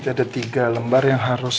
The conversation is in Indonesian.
ada tiga lembar yang harus